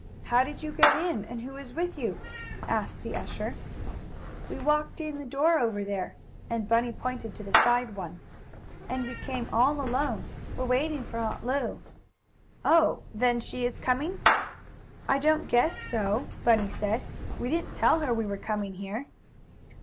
"How did you get in, and who is with you?" asked the usher. "We walked in the door over there," and Bunny pointed to the side one. "And we came all alone. We're waiting for Aunt Lu." "Oh, then she is coming?" "I don't guess so," Bunny said. "We didn't tell her we were coming here."